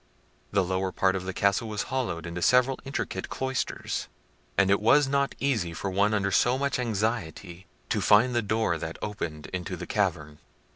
The lower part of the castle was hollowed into several intricate cloisters; and it was not easy for one under so much anxiety to find the door that opened into the cavern.